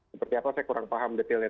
seperti apa saya kurang paham detailnya